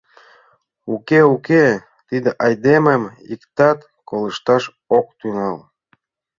— Уке, уке, тиде айдемым иктат колышташ ок тӱҥал.